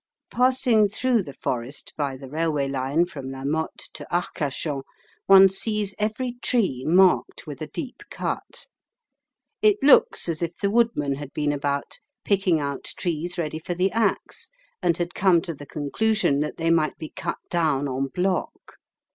Passing through the forest by the railway line from La Mothe to Arcachon, one sees every tree marked with a deep cut. It looks as if the woodman had been about, picking out trees ready for the axe, and had come to the conclusion that they might be cut down en bloc.